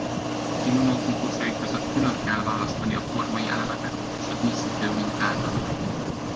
A kimonó típusai között külön kell választani a formai elemeket és a díszítő mintákat.